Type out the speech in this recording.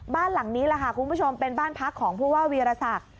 บ้านหลังนี้คุณผู้ชมเป็นบ้านพักของผู้ว่าวีรษัท